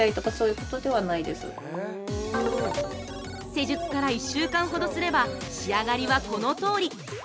◆施術から１週間ほどすれば仕上がりはこのとおり。